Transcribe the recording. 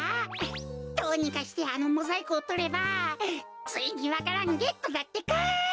どうにかしてあのモザイクをとればついにわか蘭ゲットだってか！